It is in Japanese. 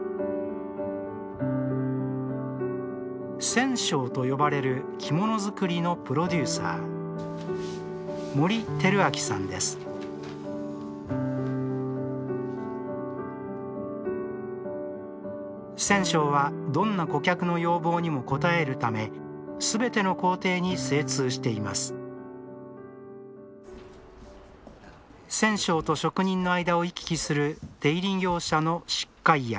染匠と呼ばれる着物作りのプロデューサー染匠はどんな顧客の要望にも応えるためすべての工程に精通しています染匠と職人の間を行き来する出入り業者の悉皆屋。